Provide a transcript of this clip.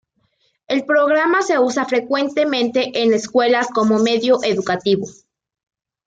El programa se usa frecuentemente en escuelas como medio educativo.